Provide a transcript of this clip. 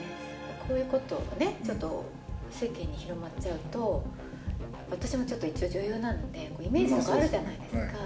こういうことをねちょっと世間に広まっちゃうと私も一応女優なんでイメージとかあるじゃないですか。